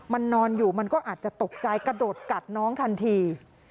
มันนอนอยู่มันก็อาจจะตกใจกระโดดกัดน้องทันที